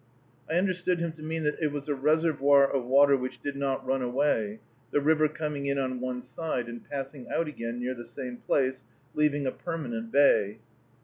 I understood him to mean that it was a reservoir of water which did not run away, the river coming in on one side and passing out again near the same place, leaving a permanent bay.